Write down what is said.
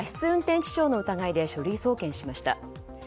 運転致傷の疑いで書類送検しました。